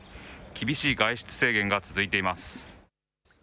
厳しい外出制限が続いています。